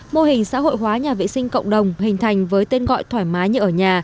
mô hình xã hội hóa nhà vệ sinh cộng đồng hình thành với tên gọi thoải mái như ở nhà